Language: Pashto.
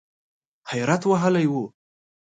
حیرت وهلی و .